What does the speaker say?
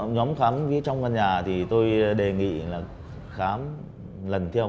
nhóm khám ví trong căn nhà thì tôi đề nghị là khám lần theo